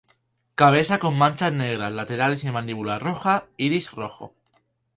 Cabeza con manchas negras laterales y mandíbula roja; iris rojo.